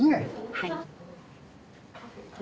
はい。